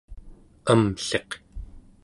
amlliq²